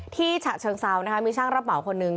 ฉะเชิงเซานะคะมีช่างรับเหมาคนนึง